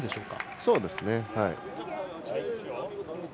そうですね。